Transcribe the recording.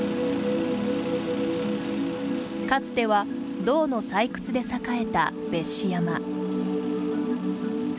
かつては銅の採掘で栄えた別子山。